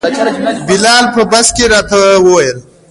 بلال په بس کې راته ویلي وو.